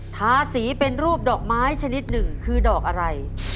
ทาสีเป็นรูปดอกไม้ชนิดหนึ่งคือดอกอะไร